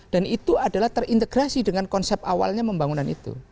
dan itu adalah terintegrasi dengan konsep awalnya pembangunan itu